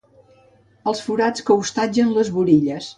Els forats que hostatgen les burilles.